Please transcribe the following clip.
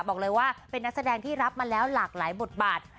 บอกเลยว่าเป็นนักแสดงที่รับมาแล้วหลากหลายบทบาท